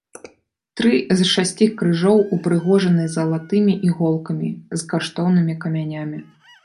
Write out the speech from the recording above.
Тры з шасці крыжоў упрыгожаны залатымі іголкамі з каштоўнымі камянямі.